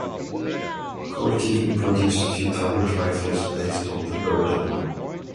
Colt even produced a few target rifles based on the Berdan One.